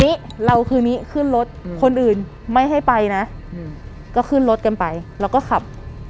ทีนี้เราคืนนี้ขึ้นรถคนอื่นไม่ให้ไปนะก็ขึ้นรถกันไปแล้วก็ขับ